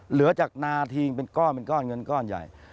เหลือจากนาทิงเป็นก้อนเป็นก้อนเงินก้อนใหญ่